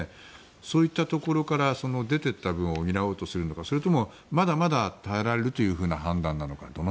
そういったところから出て行った分を補おうとするのかまだまだ耐えられる判断か。